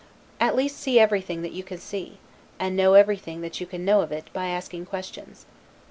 At least see everything that you can see, and know everything that you can know of it, by asking questions.